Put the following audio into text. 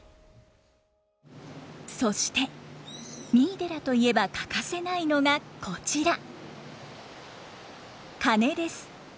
そして三井寺といえば欠かせないのがこちら鐘です。